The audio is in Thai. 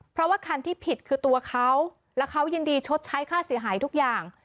เพราะว่าคันที่ผิดคือตัวเขาและเขายินดีชดใช้ค่าเสียหายทุกอย่าง